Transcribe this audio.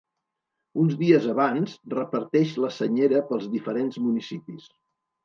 Uns dies abans, reparteix la senyera pels diferents municipis.